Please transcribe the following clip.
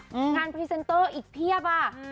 อืมงานพรีเซ็นเตอร์อีกเพียบอ่ะอืม